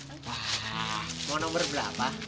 wah mau nomor berapa